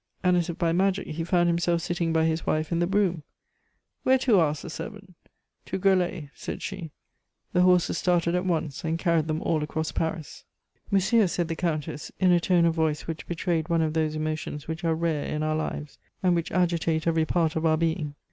And as if by magic, he found himself sitting by his wife in the brougham. "Where to?" asked the servant. "To Groslay," said she. The horses started at once, and carried them all across Paris. "Monsieur," said the Countess, in a tone of voice which betrayed one of those emotions which are rare in our lives, and which agitate every part of our being.